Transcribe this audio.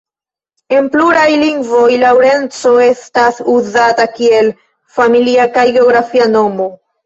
En pluraj lingvoj Laŭrenco estas uzata kiel familia kaj geografia nomo.